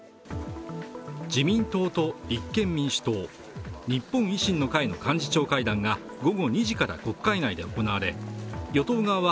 自民党と立憲民主党、日本維新の会の幹事長会談が午後２時から国会内で行われ与党側は